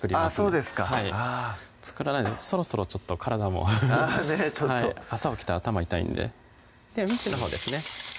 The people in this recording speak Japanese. そうですかあぁ作らないとそろそろちょっと体もフフフねぇちょっと朝起きたら頭痛いんでではミンチのほうですね